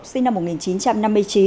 sinh năm một nghìn chín trăm năm mươi chín